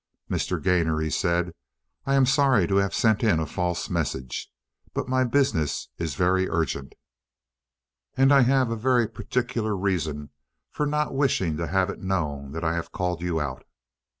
"Mr. Gainor," he said, "I'm sorry to have sent in a false message. But my business is very urgent, and I have a very particular reason for not wishing to have it known that I have called you out."